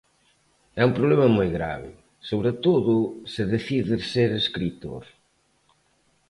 É un problema moi grave, sobre todo se decides ser escritor.